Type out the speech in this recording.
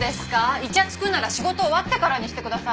イチャつくなら仕事終わってからにしてください。